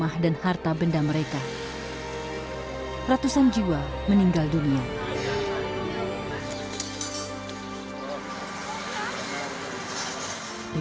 empat ada yang kemudian mengaziri